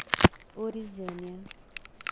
Orizânia